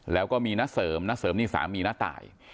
แล้วก็มีน่าเสริมนี่สามีน่าต่าย